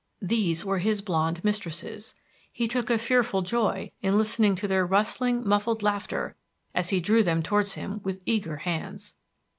These were his blond mistresses; he took a fearful joy in listening to their rustling, muffle laughter as he drew them towards him with eager hands.